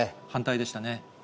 反対でしたね。